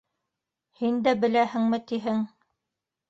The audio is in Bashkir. — Һин дә беләһеңме, тиһең.